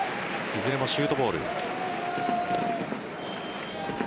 いずれもシュートボール。